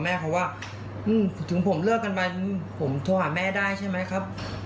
ไอ้แฟนเหมือนลูกผมเยอะ